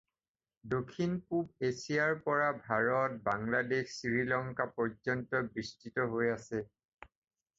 দক্ষিণ-পূব এছিয়াৰ পৰা ভাৰত, বাংলাদেশ, শ্ৰী লংকা পৰ্যন্ত বিস্তৃত হৈ আছে।